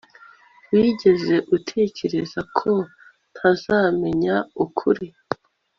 Wigeze utekereza ko ntazamenya ukuri